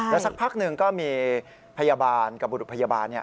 แล้วสักพักหนึ่งก็มีพยาบาลกับบุรุษพยาบาล